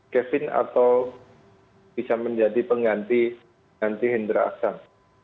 kevin atau bisa menjadi pengganti hendra aksan